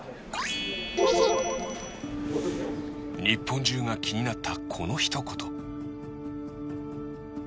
日本中が気になったこの一言